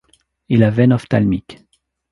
Et la veine ophtalmique.